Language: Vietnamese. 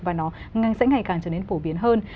và nó sẽ ngày càng trở nên phổ biến hơn